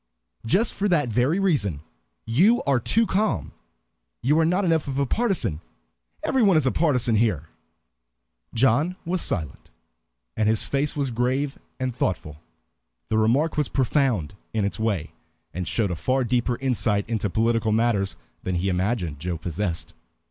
"Just for that very reason; you are too calm. You are not enough of a partisan. Every one is a partisan here." John was silent, and his face was grave and thoughtful. The remark was profound in its way, and showed a far deeper insight into political matters than he imagined Joe possessed.